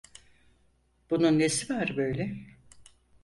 Bunun nesi var böyle?